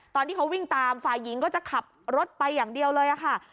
ตอนที่เขาวิ่งตามฝ่ายหญิงก็จะขับรถไปอย่างเดียวเลยค่ะ